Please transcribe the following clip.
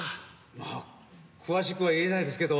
まあ詳しくは言えないですけど。